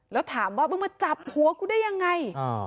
แล้วถามว่ามึงมาจับหัวกูได้ยังไง